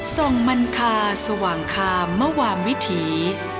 ส่งมันคาสว่างคามมวามวิถี